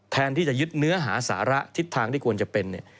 แทนที่จะยึดเนื้อหาสาระทิศทางที่ควรจะเป็นเนี่ย